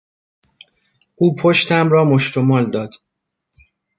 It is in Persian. او پشتم را مشت و مال داد.